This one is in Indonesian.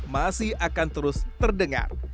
masih akan terus terdengar